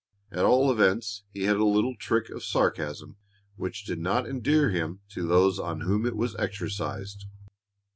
At all events, he had a little trick of sarcasm which did not endear him to those on whom it was exercised.